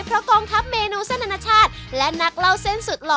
เพราะกองทัพเมนูเส้นอนาชาติและนักเล่าเส้นสุดหล่อ